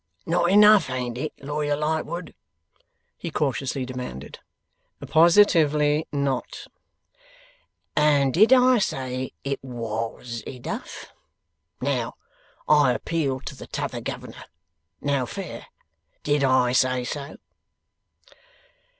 'Not enough, ain't it, Lawyer Lightwood?' he cautiously demanded. 'Positively not.' 'And did I say it WAS enough? Now, I appeal to the T'other Governor. Now, fair! Did I say so?